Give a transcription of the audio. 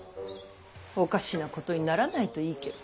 おかしなことにならないといいけど。